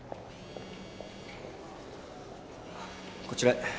こちらへ。